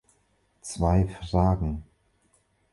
Zwei Fragen.